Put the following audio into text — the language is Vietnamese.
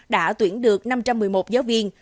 đã tuyển được năm trăm một mươi một giáo viên